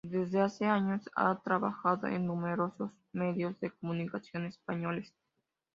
Desde hace años ha trabajado en numerosos medios de comunicación españoles.